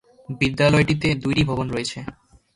বিদ্যালয়টিতে দুটি ভবন রয়েছে।